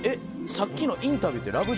さっきのインタビューって『ラブ！！